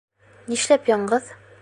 Нишләп яңғыҙ?